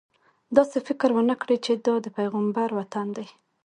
داسې فکر ونه کړې چې دا د پیغمبر وطن دی.